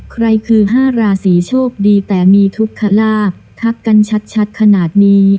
ใครคือ๕ราศีโชคดีแต่มีทุกขลาบทักกันชัดขนาดนี้